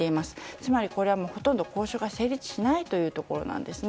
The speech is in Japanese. つまりこれはほとんど交渉が成立しないということなんですね。